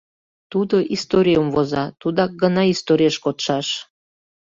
Тудо историйым воза, тудак гына историеш кодшаш.